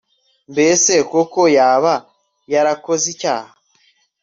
mbese koko yaba yarakoze icyaha